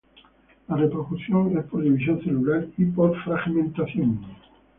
La reproducción es por división celular y por fragmentación.